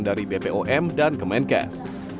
dari bpom dan kemenkes